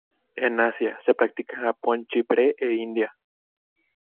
En Asia, se practica en Japón, Chipre, e India.